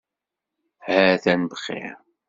Ha-t-an bxir.